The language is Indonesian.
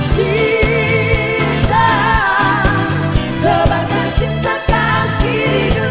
cinta doakan cinta kasih dunia